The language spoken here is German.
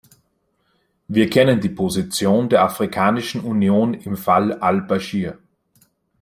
Wir kennen die Position der Afrikanischen Union im Fall al-Bashir.